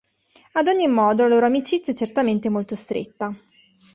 Ad ogni modo la loro amicizia è certamente molto stretta.